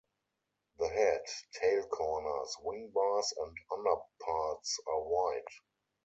The head, tail corners, wing bars and underparts are white.